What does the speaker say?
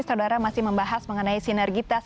saudara masih membahas mengenai sinergitas